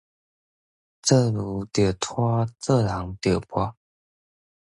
做牛著拖，做人著磨